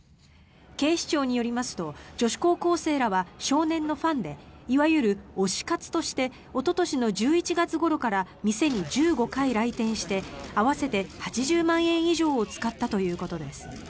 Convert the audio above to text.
警視庁によりますと女子高校生らは少年のファンでいわゆる推し活としておととしの１１月ごろから店に１５回来店して合わせて８０万円以上を使ったということです。